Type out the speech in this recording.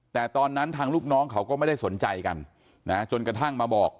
แต่ตอนนั้นทางลูกน้องเขาก็ไม่ได้สนใจกันนะจนกระทั่งมาบอก